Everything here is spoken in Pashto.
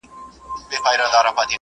ایا دا ناول د رسا صاحب لخوا لیکل سوی دی؟